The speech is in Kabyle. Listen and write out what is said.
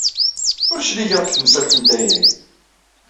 Ur cligeɣ deg temsalt n tayri.